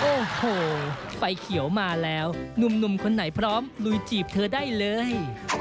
โอ้โหไฟเขียวมาแล้วหนุ่มคนไหนพร้อมลุยจีบเธอได้เลย